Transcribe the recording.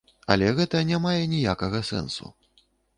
Але гэта не мае ніякага сэнсу.